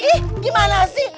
ih gimana sih